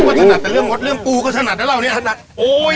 ถนัดแต่เรื่องมดเรื่องปูก็ถนัดนะเราเนี่ยถนัดโอ้ย